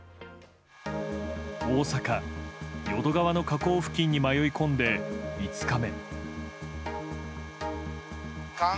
大阪・淀川の河口付近に迷い込んで、５日目。